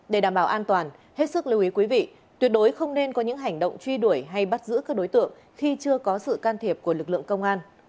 để đảm bảo an toàn hết sức lưu ý quý vị tuyệt đối không nên có những hành động truy đuổi hay bắt giữ các đối tượng khi chưa có sự can thiệp của lực lượng công an